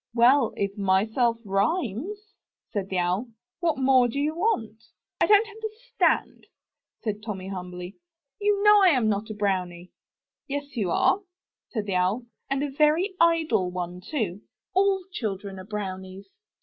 "Well, if 'myself* rhymes," said the Owl, "what more do you want? "I don't understand," said Tommy humbly, "you know I'm not a brownie." "Yes you are, said the Owl, "and a very idle one, too. All children are brownies.